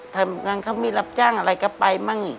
ทำงานเขามีรับจ้างอะไรก็ไปมั่ง